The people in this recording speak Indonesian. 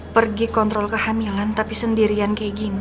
pergi kontrol kehamilan tapi sendirian kayak gini